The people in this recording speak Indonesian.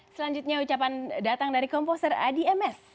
selanjutnya ucapan datang dari komposer adi ms